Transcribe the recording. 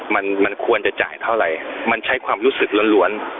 มันมันควรจะจ่ายเท่าไหร่มันใช้ความรู้สึกล้วน